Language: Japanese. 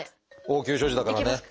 応急処置だからね。